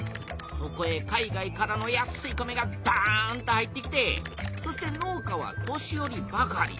そこへ海外からの安い米がどんと入ってきてそして農家は年よりばかり。